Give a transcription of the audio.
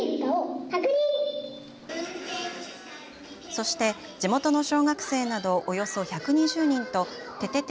そして地元の小学生などおよそ１２０人とててて！